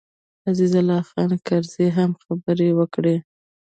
عزیز الله خان کرزي هم خبرې وکړې.